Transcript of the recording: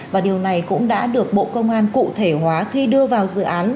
và điều này cũng đã được bộ công an cụ thể hóa khi đưa vào dự án